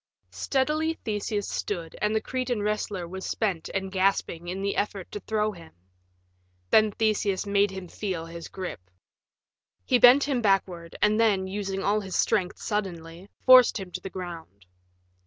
Steadily Theseus stood and the Cretan wrestler was spent and gasping in the effort to throw him. Then Theseus made him feel his grip. He bent him backward, and then, using all his strength suddenly, forced him to the ground.